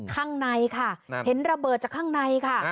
ข้างในค่ะเห็นระเบิดจากข้างในค่ะ